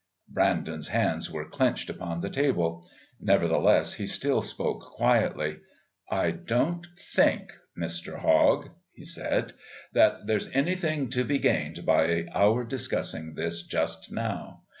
Brandon's hands were clenched upon the table. Nevertheless he still spoke quietly. "I don't think, Mr. Hogg," he said, "that there's anything to be gained by our discussing this just now.